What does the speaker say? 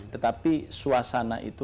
tetapi suasana itu